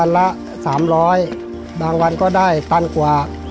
ละ๓๐๐บางวันก็ได้ตันกว่า